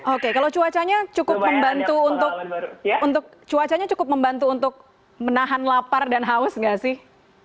oke kalau cuacanya cukup membantu untuk menahan lapar dan haus nggak sih